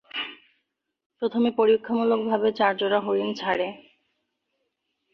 প্রথমে পরীক্ষামূলকভাবে চার জোড়া হরিণ ছাড়ে।